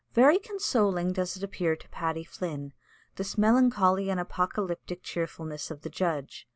Very consoling does it appear to Paddy Flynn, this melancholy and apocalyptic cheerfulness of the Judge.